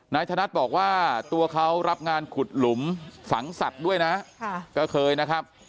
ธนัดบอกว่าตัวเขารับงานขุดหลุมฝังสัตว์ด้วยนะก็เคยนะครับ